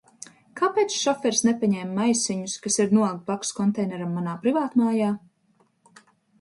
Kāpēc šoferis nepaņēma maisiņus, kas ir nolikti blakus konteineram manā privātmājā?